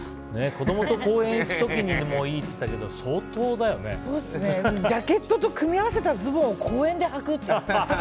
子供と公園行く時にもいいって言ったけどジャケットと組み合わせたズボンを公園ではく？っていう。